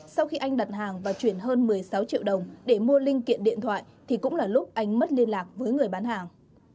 sau khi anh đặt hàng và chuyển hơn một mươi sáu triệu đồng để mua linh kiện điện thoại thì cũng là lúc anh mất liên lạc với người bán hàng